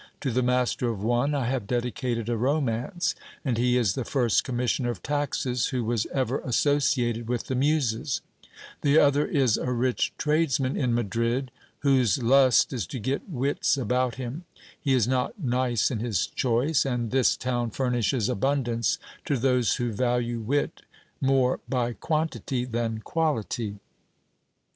To the master of one I have dedicated a romance; and he is the first commissioner of taxes who was ever associated with the Muses : the other is a rich tradesman in Madrid, whose lust is to get wits about him ; he is not nice in his choice, and this town furnishes abundance to those who value wit more by quantity than quality.